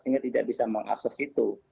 sehingga tidak bisa mengakses itu